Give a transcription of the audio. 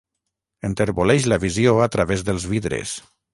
Enterboleix la visió a través dels vidres.